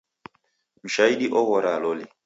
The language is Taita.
Mshaidi ughoraa loli.